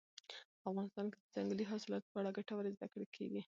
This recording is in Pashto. په افغانستان کې د ځنګلي حاصلاتو په اړه ګټورې زده کړې کېږي.